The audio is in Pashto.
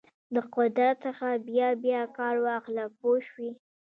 د قدرت څخه بیا بیا کار واخله پوه شوې!.